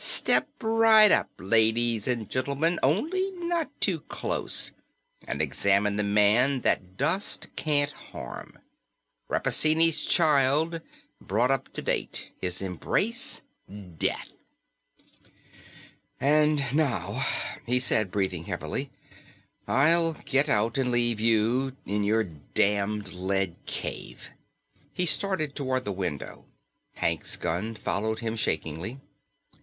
Step right up, ladies and gentlemen only not too close! and examine the man the dust can't harm. Rappaccini's child, brought up to date; his embrace, death! "And now," he said, breathing heavily, "I'll get out and leave you in your damned lead cave." He started toward the window. Hank's gun followed him shakingly.